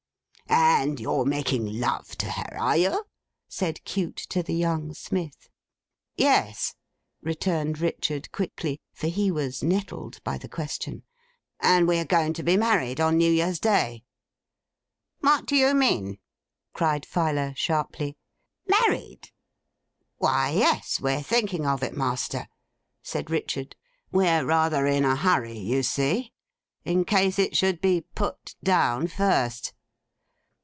'And you're making love to her, are you?' said Cute to the young smith. 'Yes,' returned Richard quickly, for he was nettled by the question. 'And we are going to be married on New Year's Day.' 'What do you mean!' cried Filer sharply. 'Married!' 'Why, yes, we're thinking of it, Master,' said Richard. 'We're rather in a hurry, you see, in case it should be Put Down first.